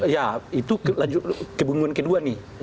ya itu kebingungan kedua nih